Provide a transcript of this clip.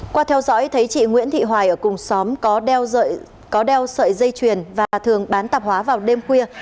qua theo dõi thấy chị nguyễn thị hoài ở cùng xóm có đeo có đeo sợi dây chuyền và thường bán tạp hóa vào đêm khuya